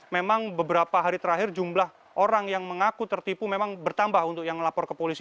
memang beberapa hari terakhir jumlah orang yang mengaku tertipu memang bertambah untuk yang melapor ke polisi